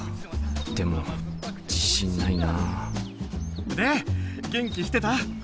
でも自信ないなで元気してた？